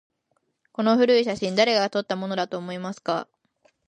この古い写真、誰が撮ったものだと思いますか？